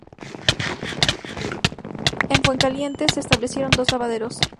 En Fuencaliente se establecieron dos lavaderos.